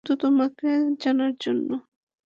শুধু তোমাকে জানার জন্য।